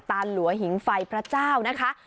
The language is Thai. หลัวหิงไฟพระเจ้านะคะ